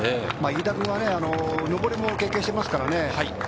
飯田君は上りも経験してますからね。